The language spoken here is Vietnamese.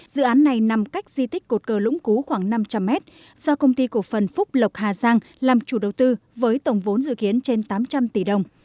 dự án này nằm cách di tích cột cờ lũng cú khoảng năm trăm linh mét do công ty cổ phần phúc lộc hà giang làm chủ đầu tư với tổng vốn dự kiến trên tám trăm linh tỷ đồng